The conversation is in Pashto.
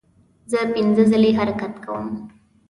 زه پنځه ځلې حرکت کوم.